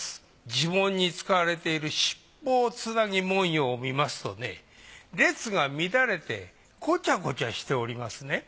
地紋に使われている七宝繋ぎ文様を見ますとね列が乱れてこちゃこちゃしておりますね。